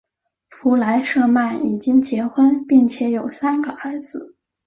弗莱舍曼已经结婚并且有三个儿子。